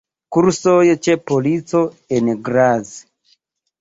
Kursoj ĉe polico en Graz.